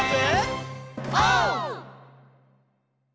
オー！